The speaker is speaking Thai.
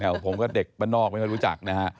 อ๋อแชแนลผมก็เด็กมานอกไม่รู้จักนะฮะ